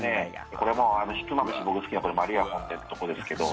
これ、ひつまぶし、僕が好きなまるや本店ってとこですけど。